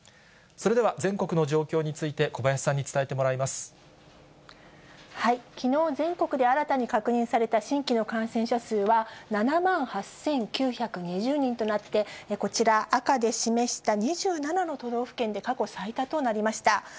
それでは、全国の状況について、きのう、全国で新たに確認された新規の感染者数は７万８９２０人となって、こちら、赤で示した２７の都道府県で過去最多となりました。